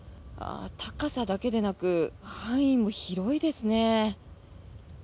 高さだけでなく範囲も広いですね。